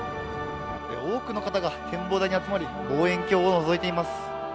多くの方が展望台に集まり、望遠鏡をのぞいています。